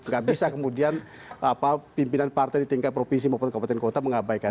gak bisa kemudian pimpinan partai di tingkat provinsi maupun kabupaten kota mengabaikan